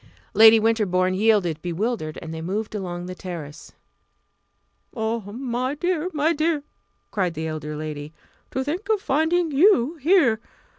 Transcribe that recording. Lady Winterbourne yielded, bewildered, and they moved along the terrace. "Oh, my dear, my dear!" cried the elder lady "to think of finding you here!